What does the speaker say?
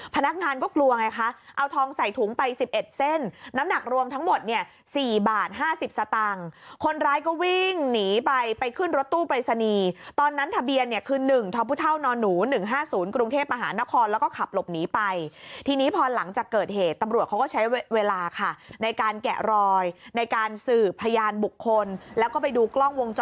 พนักงานก็กลัวไงคะเอาทองใส่ถุงไป๑๑เส้นน้ำหนักรวมทั้งหมดเนี่ย๔บาท๕๐สตางค์คนร้ายก็วิ่งหนีไปไปขึ้นรถตู้ปรายศนีย์ตอนนั้นทะเบียนเนี่ยคือ๑ทพนหนู๑๕๐กรุงเทพมหานครแล้วก็ขับหลบหนีไปทีนี้พอหลังจากเกิดเหตุตำรวจเขาก็ใช้เวลาค่ะในการแกะรอยในการสืบพยานบุคคลแล้วก็ไปดูกล้องวงจ